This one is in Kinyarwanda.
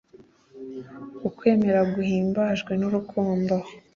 ukwemera guhimbajwe n'urukundo